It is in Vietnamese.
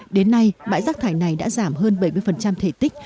đến nay bãi rác thải này đã giảm hơn bảy mươi thể tích